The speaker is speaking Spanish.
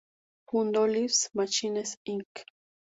Fundó Lisp Machines, Inc.